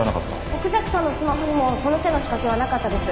奥崎さんのスマホにもその手の仕掛けはなかったです。